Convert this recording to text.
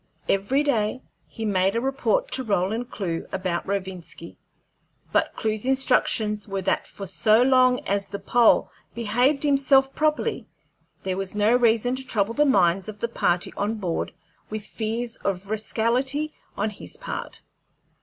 Every day he made a report to Roland Clewe about Rovinski, but Clewe's instructions were that so long as the Pole behaved himself properly there was no reason to trouble the minds of the party on board with fears of rascality on his part.